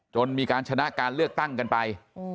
มีการชนะการเลือกตั้งกันไป